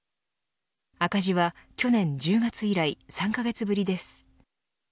赤字は去年１０月以来３カ月ぶりです。